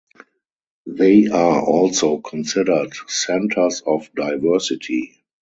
They are also considered centers of diversity.